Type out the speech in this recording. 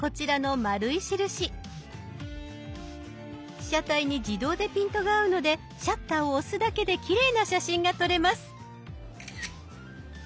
被写体に自動でピントが合うのでシャッターを押すだけできれいな写真が撮れます。